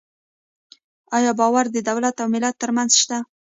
آیا باور د دولت او ملت ترمنځ شته؟